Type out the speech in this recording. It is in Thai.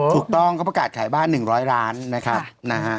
ถูกต้องเขาประกาศขายบ้าน๑๐๐ล้านนะครับนะฮะ